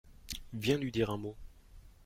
Viens lui dire un mot.